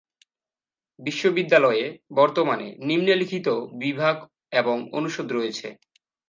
বিশ্ববিদ্যালয়ে বর্তমানে নিম্নলিখিত বিভাগ এবং অনুষদ রয়েছে।